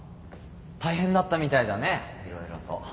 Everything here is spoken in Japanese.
大変だったみたいだねいろいろと。